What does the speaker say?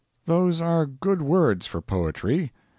Those are good words for poetry.